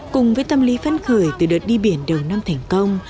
cùng với tâm lý phấn khởi từ đợt đi biển đầu năm thành công